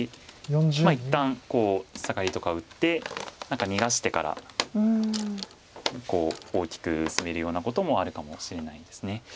一旦サガリとか打って何か逃がしてからこう大きくスベるようなこともあるかもしれないです。